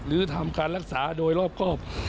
หรือทำการรักษาโดยรอบครอบ